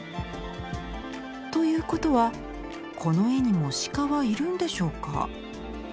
ということはこの絵にも鹿はいるんでしょうか？